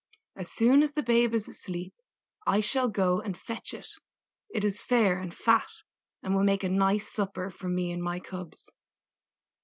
As soon as the babe is asleep I shall go and fetch it: it is fair and fat, and will make a nice supper for me and my cubs."